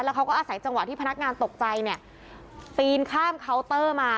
เขาก็อาศัยจังหวะที่พนักงานตกใจเนี่ยปีนข้ามเคาน์เตอร์มา